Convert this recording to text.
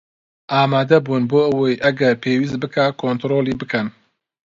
ئامادەبوون بۆ ئەوەی ئەگەر پێویست بکات کۆنترۆڵی بکەن